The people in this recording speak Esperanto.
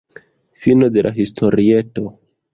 Fino de la historieto.